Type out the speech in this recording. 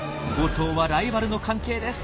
５頭はライバルの関係です。